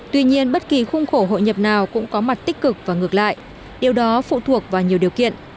tuy nhiên bất kỳ khung khổ hội nhập nào cũng có mặt tích cực và ngược lại điều đó phụ thuộc vào nhiều điều kiện